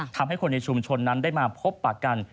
ทำให้คนในชุมชนนั้นได้มาพบปากกัน